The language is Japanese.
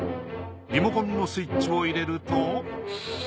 リモコンのスイッチを入れると。